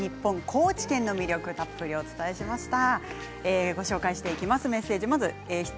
高知県の魅力たっぷりお伝えしました。